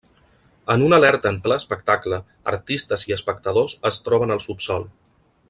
En una alerta en ple espectacle, artistes i espectadors es troben al subsòl.